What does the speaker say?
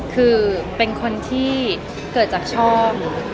คือเป็นคนที่เกิดจากชอบ